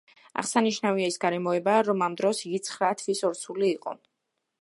აღსანიშნავია ის გარემოება, რომ ამ დროს იგი ცხრა თვის ორსული იყო.